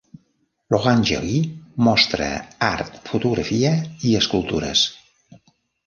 L'Orangerie mostra art, fotografia i escultures.